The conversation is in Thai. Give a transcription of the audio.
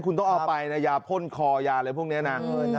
คุณต้องเอาไปนะยาพ่นคอยาอะไรพวกนี้นะ